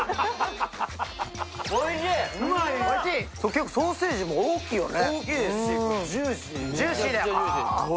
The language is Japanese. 結構ソーセージも大きいよね。